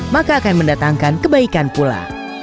maka akan mendatangkan kebaikan pula